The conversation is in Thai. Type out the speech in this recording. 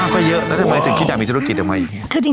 ก็คิดจะมีธุรกิจอะไรอย่างงี้